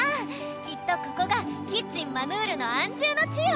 きっとここがキッチンマヌルの安住の地よ。